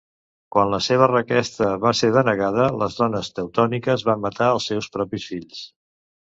Quan la seva requesta va ser denegada, les dones teutòniques van matar als seus propis fills.